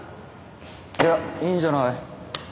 いやいいんじゃない？